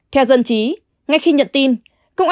theo dân chí ngay khi nhận tin